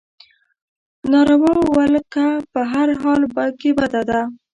ناروا ولکه په هر حال کې بده ده.